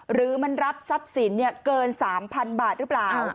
หรือมันรับทรัพย์สินเกิน๓๐๐๐บาทหรือเปล่า